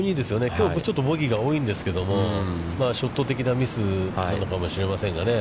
きょうちょっとボギーが多いんですけども、ショット的なミスなのかもしれませんがね。